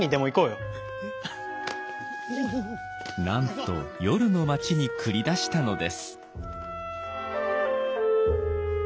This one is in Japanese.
なんと夜の街に繰り出したのです。